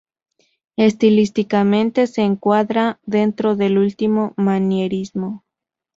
Estilísticamente se encuadra dentro del último manierismo.